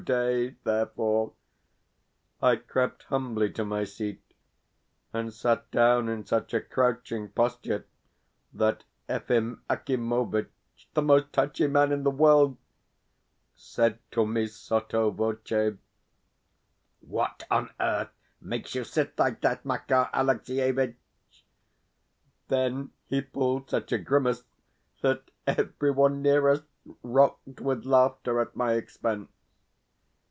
Today, therefore, I crept humbly to my seat and sat down in such a crouching posture that Efim Akimovitch (the most touchy man in the world) said to me sotto voce: "What on earth makes you sit like that, Makar Alexievitch?" Then he pulled such a grimace that everyone near us rocked with laughter at my expense.